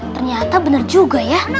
ternyata bener juga ya